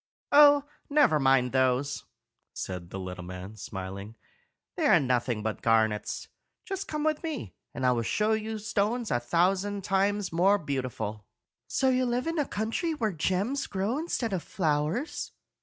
"Oh, never mind those," said the little man, smiling; "they are nothing but garnets. Just come with me, and I will show you stones a thousand times more beautiful." "So you live in the country where gems grow instead of flowers?"